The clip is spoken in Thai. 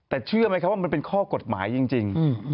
แต่เชื่อไหมครับว่ามันเป็นข้อกฎหมายจริง